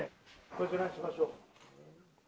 こちらにしましょう。